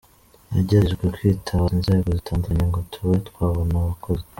Nagerageje kwitabaza inzego zitandukanye ngo tube twabona abakozi.